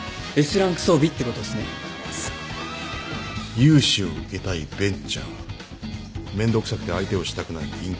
融資を受けたいベンチャーめんどくさくて相手をしたくない銀行。